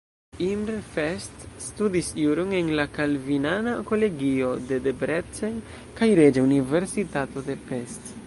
Imre Fest studis juron en kalvinana kolegio de Debrecen kaj Reĝa Universitato de Pest.